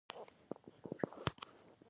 په ټولو ښځو کې یوه وینځه یا غلامه.